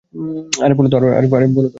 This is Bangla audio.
আরে বলো তো, কতো দামের?